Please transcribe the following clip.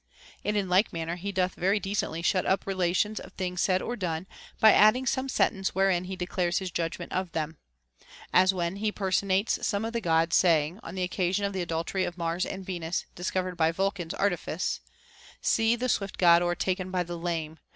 § And in like manner he doth very decently shut up rela tions of things said or done, by adding some sentence wherein he declares his judgment of them. As when he personates some of the Gods saying, on the occasion of the adultery of Mars and Venus discovered by Vulcan's artifice, — See the swift God o'ertaken by the lame